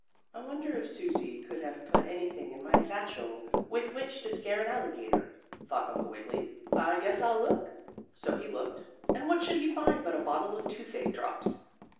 "I wonder if Susie could have put anything in my satchel with which to scare an alligator," thought Uncle Wiggily. "I guess I'll look." So he looked, and what should he find but a bottle of toothache drops.